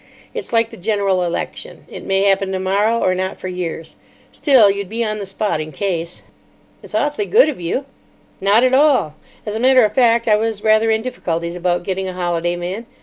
It's like the General Election. It may happen tomorrow, or not for years. Still, you'd be on the spot in case." "It's awfully good of you." "Not at all. As a matter of fact, I was rather in difficulties about getting a holiday man.